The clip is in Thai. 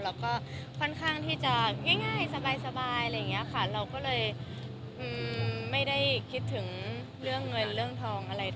แล้วก็ค่อนข้างที่จะง่ายสบายอะไรอย่างนี้ค่ะเราก็เลยไม่ได้คิดถึงเรื่องเงินเรื่องทองอะไร